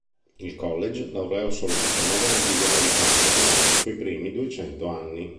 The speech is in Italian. Il "College" laureò solo diciannove nativi americani durante i suoi primi duecento anni.